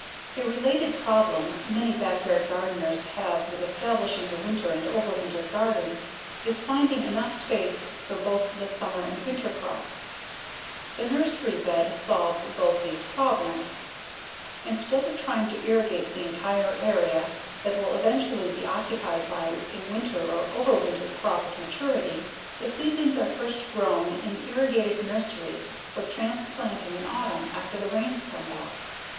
A related problem many backyard gardeners have with establishing the winter and overwintered garden is finding enough space for both the summer and winter crops. The nursery bed solves both these problems. Instead of trying to irrigate the entire area that will eventually be occupied by a winter or overwintered crop at maturity, the seedlings are first grown in irrigated nurseries for transplanting in autumn after the rains come back.